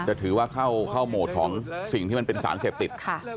จะถือว่าเข้าโหมดของสิ่งที่มันเป็นสารเสพติด